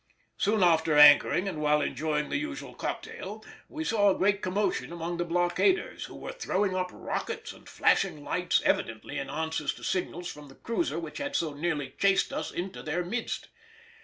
Soon after anchoring and while enjoying the usual cocktail we saw a great commotion among the blockaders, who were throwing up rockets and flashing lights, evidently in answer to signals from the cruiser which had so nearly chased us into their midst.